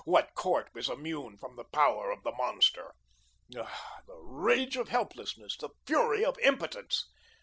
What court was immune from the power of the monster? Ah, the rage of helplessness, the fury of impotence!